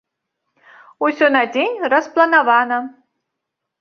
Усё на дзень распланавана.